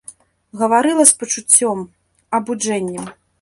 Гаварыла з пачуццём, абуджэннем.